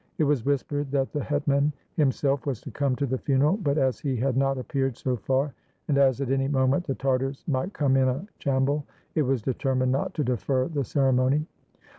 It was whispered that the hetman himself was to come to the funeral; but as he had not appeared so far, and as at any moment the Tartars might come in a chambul, it was determined not to defer the ceremony.